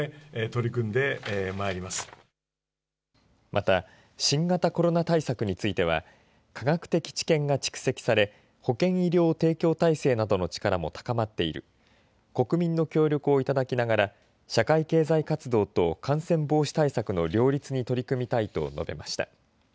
また新型コロナ対策については科学的知見が蓄積され保険医療提供体制などの力も高まっている国民の協力をいただきながら社会経済活動と感染防止対策の両立に取り組みたいと述べました。